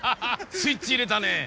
スイッチ入れたね。